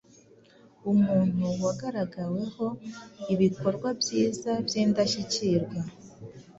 Umuntu wagaragaweho ibikorwa byiza by’ indashyikirwa.